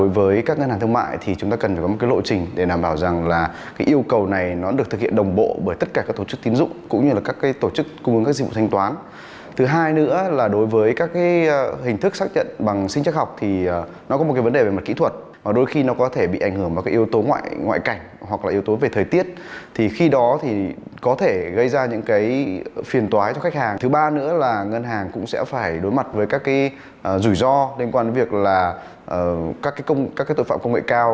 và nữa là ngân hàng cũng sẽ phải đối mặt với các rủi ro liên quan đến việc là các tội phạm công nghệ cao